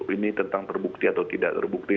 ini tentang terbukti atau tidak terbukti